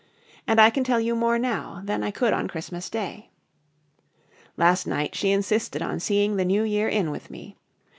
And I can tell you more now than I could on Christmas Day. Last night she insisted on seeing the New Year in with me.